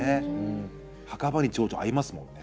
墓場に蝶々合いますもんね。